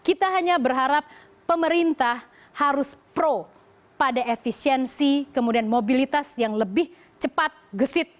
kita hanya berharap pemerintah harus pro pada efisiensi kemudian mobilitas yang lebih cepat gesit